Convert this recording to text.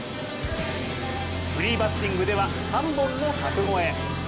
フリーバッティングでは３本の柵越え。